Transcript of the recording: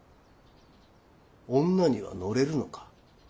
女には乗れるのか？